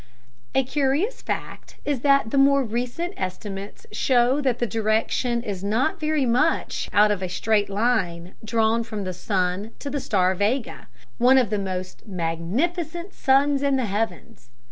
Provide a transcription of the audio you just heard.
A curious fact is that the more recent estimates show that the direction is not very much out of a straight line drawn from the sun to the star Vega, one of the most magnificent suns in the heavens.